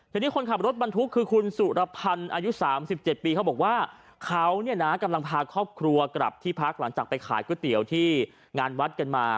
ทีนี้คนขับรถบรรทุกคือคุณสุรพันธ์อายุ๓๗ปีเขาบอกว่าเขาเนี่ยนะกำลังพาครอบครัวกลับที่พักหลังจากไปขายก๋วยเตี๋ยวที่งานวัดกันมา